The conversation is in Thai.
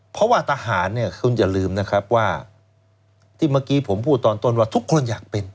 เพราะว่าทหารเนี่ยคุณอย่าลืมนะครับว่าที่เมื่อกี้ผมพูดตอนต้นว่าทุกคนอยากเป็น